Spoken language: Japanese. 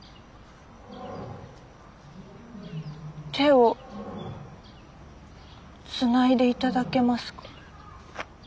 手をつないで頂けますか？